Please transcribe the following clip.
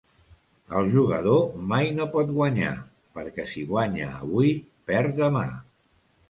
El jugador mai no pot guanyar; perquè si guanya avui, perd demà.